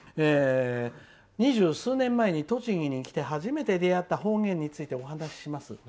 「二十数年前に栃木に来て初めてであった方言についてお話します。